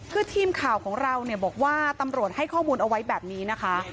คือทีมข่าวของเราเนี่ยบอกว่าตำรวจให้ข้อมูลเอาไว้แบบนี้นะคะ